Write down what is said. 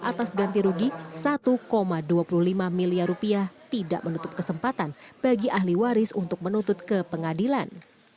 atas ganti rugi satu dua puluh lima miliar rupiah tidak menutup kesempatan bagi ahli waris untuk menuntut ke pengadilan